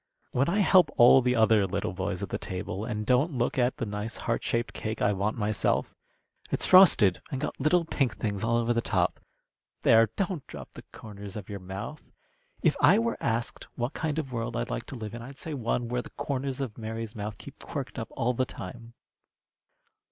"When I help all the other little boys at the table, and don't look at the nice heart shaped cake I want myself? It's frosted, and got little pink things all over the top. There! don't drop the corners of your mouth. If I were asked what kind of a world I'd like to live in, I'd say one where the corners of Mary's mouth keep quirked up all the time.